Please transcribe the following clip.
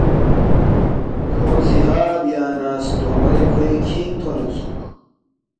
کھو سی ہا بیا نہ ستونگ رے کھوے کھینگ تھونیدسُوک